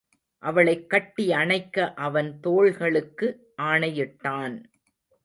அவளைக் கட்டி அணைக்க அவன் தோள்களுக்கு ஆணையிட்டான்.